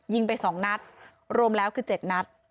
ยิงไป๒นัดรวมแล้วคือ๗นัด